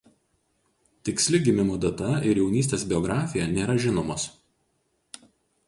Tiksli gimimo data ir jaunystės biografija nėra žinomos.